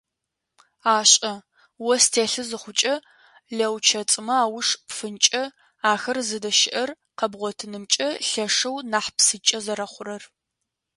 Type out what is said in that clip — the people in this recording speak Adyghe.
Ашӏэ, ос телъы зыхъукӏэ лэучэцӏымэ ауж пфынкӏэ, ахэр зыдэщыӏэр къэбгъотынымкӏэ лъэшэу нахь псынкӏэ зэрэхъурэр.